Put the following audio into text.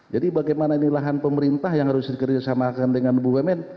jadi bagaimana ini lahan pemerintah yang harus dikerjasamakan dengan bumn